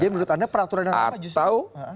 jadi menurut anda peraturan apa justru